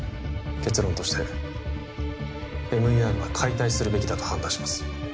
結論としてＭＥＲは解体するべきだと判断します